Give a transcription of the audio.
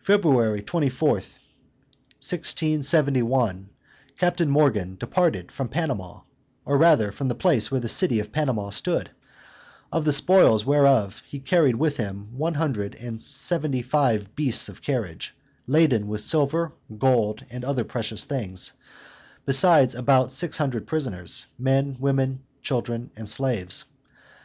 February 24, 1671, Captain Morgan departed from Panama, or rather from the place where the city of Panama stood; of the spoils whereof he carried with him one hundred and seventy five beasts of carriage, laden with silver, gold, and other precious things, beside about six hundred prisoners, men, women, children and slaves.